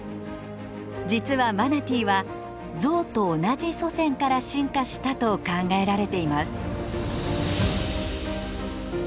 実はマナティーはゾウと同じ祖先から進化したと考えられています。